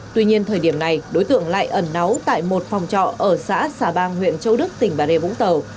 tuy nhiên thời điểm này đối tượng lại ẩn náu tại một phòng trọ ở xã xà bang huyện châu đức tỉnh bà rê vũng tàu